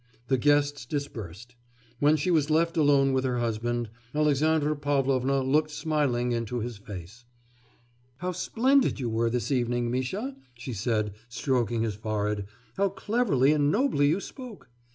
The guests dispersed. When she was left alone with her husband, Alexandra Pavlovna looked smiling into his face. 'How splendid you were this evening, Misha,' she said, stroking his forehead, 'how cleverly and nobly you spoke!